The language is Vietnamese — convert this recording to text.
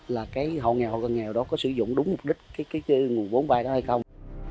là cái họ nghèo hội công ăn loại và họ nghèo có sử dụng đúng mục đích cái nguồn vốn vai đó hay không